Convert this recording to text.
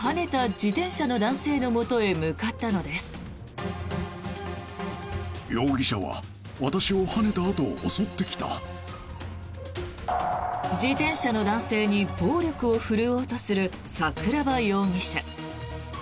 自転車の男性に暴力を振るおうとする桜庭容疑者。